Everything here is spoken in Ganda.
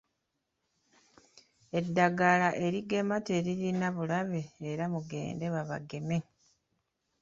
Eddagala erigema teririna bulabe era mugende babageme.